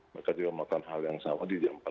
mereka juga melakukan hal yang sama di jam empat